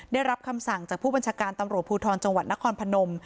ได้รับคำสั่งจากผู้บัญชาการตำรวจภูทรจังหวัดนครพนม